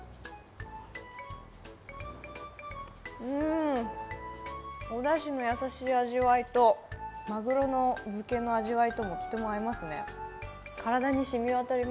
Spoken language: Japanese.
うん、おだしの優しい味わいと、まぐろの漬けの味わいととっても合いますね。